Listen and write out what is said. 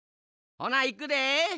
ほないくで。